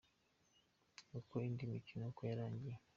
Uko indi mikino uko yarangiye :.